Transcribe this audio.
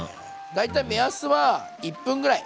大体目安は１分ぐらい。